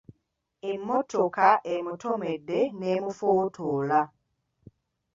Emmotoka emutomedde n'emufootola.